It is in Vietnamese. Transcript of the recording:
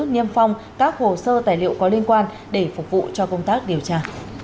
niêm phong các hồ sơ tài liệu có liên quan để phục vụ cho công tác điều tra